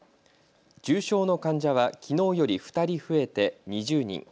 重症の患者はきのうより２人増えて２０人。